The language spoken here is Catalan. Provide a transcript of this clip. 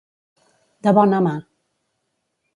De bona mà.